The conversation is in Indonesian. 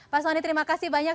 pak soni terima kasih banyak